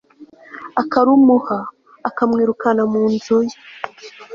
akarumuha, akamwirukana mu nzu ye